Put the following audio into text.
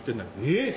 えっ！？